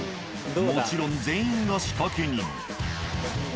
もちろん全員が仕掛け人。